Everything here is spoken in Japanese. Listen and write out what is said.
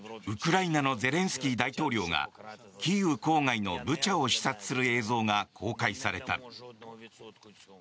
ウクライナのゼレンスキー大統領がキーウ郊外のブチャを視察する映像が公開された。